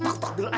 tok tok dulu ah